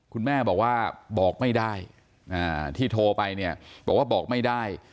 คุณแม่บอกว่าบอกไม่ได้ที่โทรไปเนี่ยบอกว่าบอกไม่ได้